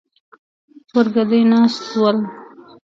پر ګدۍ ناست ول.